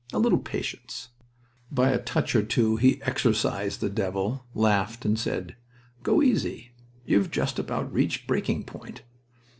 "A little patience " By a touch or two he exorcised the devil, laughed, and said: "Go easy. You've just about reached breaking point."